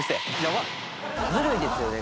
ずるいですよね